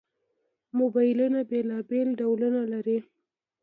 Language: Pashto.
موبایلونه بېلابېل ډولونه لري.